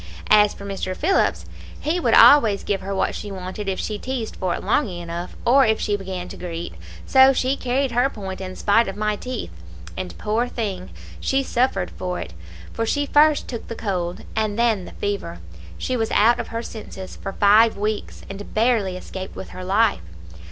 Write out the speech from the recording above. As for Mr. Phillips, he would always give her what she wanted if she teased for it long enough, or if she began to greet, so she carried her point in spite of my teeth. And, poor thing, she suffered for it; for she first took the cold, and then the fever; she was out of her senses for five weeks, and barely escaped with her life.